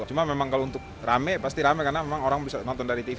cuma memang kalau untuk rame pasti rame karena memang orang bisa nonton dari tv